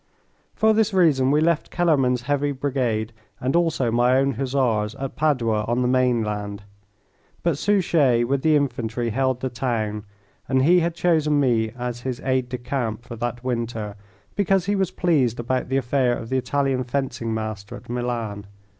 For this reason we left Kellermann's heavy brigade and also my own Hussars at Padua on the mainland. But Suchet with the infantry held the town, and he had chosen me as his aide de camp for that winter, because he was pleased about the affair of the Italian fencing master at Milan.